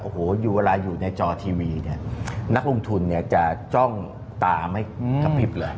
เวลาอยู่ในจอทีวีนักลงทุนจะจ้องตาไม่กระพริบเลย